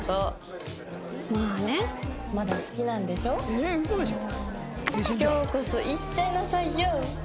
えっウソでしょ？